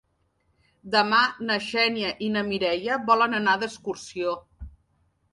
Demà na Xènia i na Mireia volen anar d'excursió.